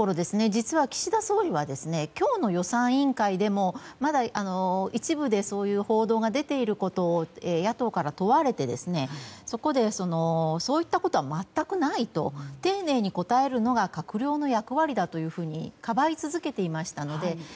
実は岸田総理は今日の予算委員会でもまだ、一部でそういう報道が出ていることを野党から問われてそこでそういったことは全くないと丁寧に答えるのが閣僚の役割だとかばい続けていましたので。